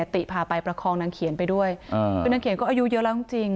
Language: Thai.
ติพาไปประคองนางเขียนไปด้วยคือนางเขียนก็อายุเยอะแล้วจริง